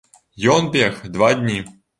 Ён бег два дні.